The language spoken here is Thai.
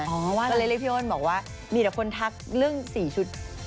ก็เลยเรียกพี่อ้นบอกว่ามีแต่คนทักเรื่อง๔ชุด